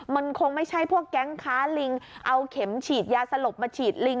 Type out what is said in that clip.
มันคงไม่ใช่พวกแก๊งค้าลิงเอาเข็มฉีดยาสลบมาฉีดลิง